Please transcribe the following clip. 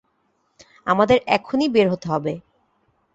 আমাদের এখনই বের হতে হবে।